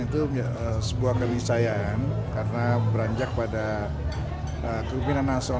di luar aslinya sepia bisa ada keselamatan penelitian meng extrinsip traitor